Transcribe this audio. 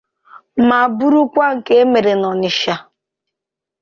ma bụrụkwa nke e mere n'Ọnịtsha